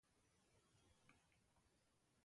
Está afiliada a la "Federación Deportiva de Esmeraldas".